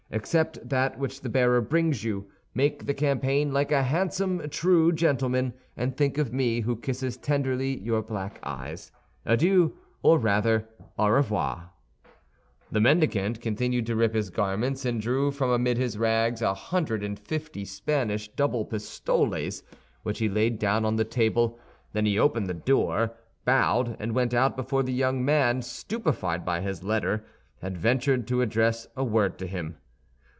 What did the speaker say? Accept that which the bearer brings you; make the campaign like a handsome true gentleman, and think of me, who kisses tenderly your black eyes. "Adieu; or rather, au revoir." The mendicant continued to rip his garments; and drew from amid his rags a hundred and fifty Spanish double pistoles, which he laid down on the table; then he opened the door, bowed, and went out before the young man, stupefied by his letter, had ventured to address a word to him.